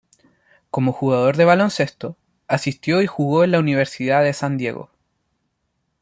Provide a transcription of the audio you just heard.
Como jugador de baloncesto, asistió y jugó en la Universidad de San Diego.